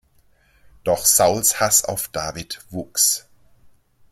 Doch Sauls Hass auf David wuchs.